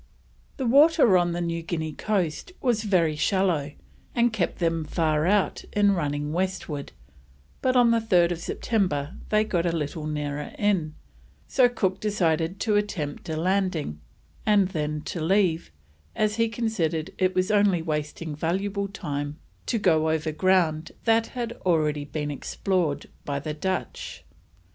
The water on the New Guinea coast was very shallow, and kept them far out in running westward, but on 3rd September they got a little nearer in, so Cook decided to attempt a landing, and then to leave, as he considered it was only wasting valuable time to go over ground that had already been explored by the Dutch.